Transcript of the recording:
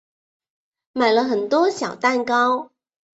买了很多小蛋糕